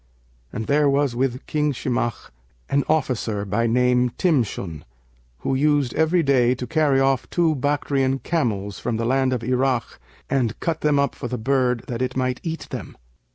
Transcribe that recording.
And there was with King Shimakh an officer, by name Timshun, who used every day to carry off two Bactrian[FN#563] camels from the land of Irak and cut them up for the bird that it might eat them.